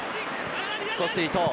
そして伊藤。